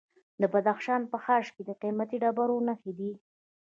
د بدخشان په خاش کې د قیمتي ډبرو نښې دي.